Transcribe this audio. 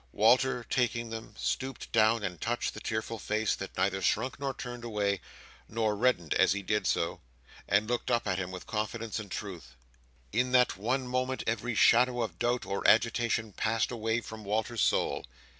Walter taking them, stooped down and touched the tearful face that neither shrunk nor turned away, nor reddened as he did so, but looked up at him with confidence and truth. In that one moment, every shadow of doubt or agitation passed away from Walter's soul.